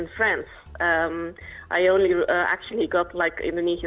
saya hanya mendapatkan teman indonesia